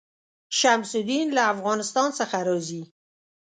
شمس الدین له افغانستان څخه راځي.